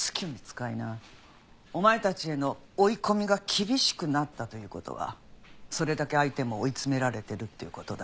お前たちへの追い込みが厳しくなったという事はそれだけ相手も追い詰められてるっていう事だ。